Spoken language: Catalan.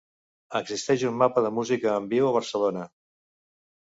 Existeix un mapa de música en viu a Barcelona.